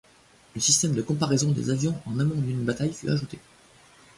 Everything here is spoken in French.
Le système de comparaison des avions en amont d'une bataille fut ajouté.